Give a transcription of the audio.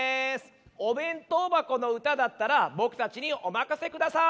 「おべんとうばこのうた」だったらぼくたちにおまかせください！